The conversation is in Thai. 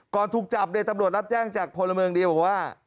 ถูกจับเนี่ยตำรวจรับแจ้งจากพลเมืองดีบอกว่า